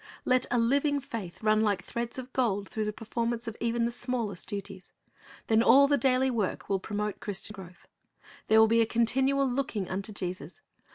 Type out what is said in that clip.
Let a living faith run like threads of gold through the performance of even the smallest duties. Then all the daily work will promote Christian growth. There will be a continual looking unto Jesus.